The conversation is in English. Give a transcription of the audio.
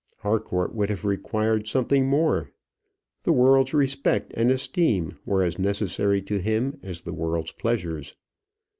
Harcourt would have required something more. The world's respect and esteem were as necessary to him as the world's pleasures.